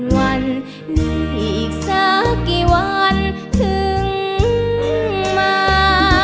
วันนี้อีกสักกี่วันถึงมา